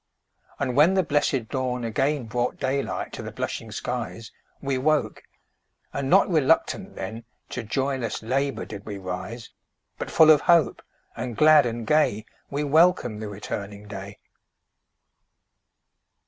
And when the blessed dawn again Brought daylight to the blushing skies, We woke, and not RELUCTANT then, To joyless LABOUR did we rise; But full of hope, and glad and gay, We welcomed the returning day.